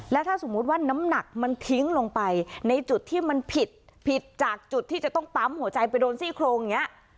แล้วถ้าสมมุติว่าน้ำหนักมันทิ้งลงไปในจุดที่มันผิดผิดจากจุดที่จะต้องปั๊มหัวใจไปโดนซี่โครงอย่างนี้